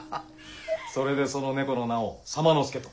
それでその猫の名を「左馬之助」と？